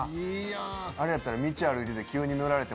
あれやったら。